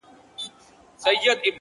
سر مي بلند دی ـ